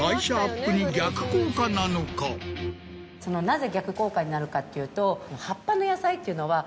なぜ逆効果になるかというと。